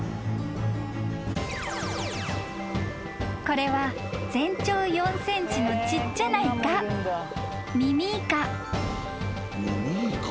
［これは全長４ｃｍのちっちゃなイカ］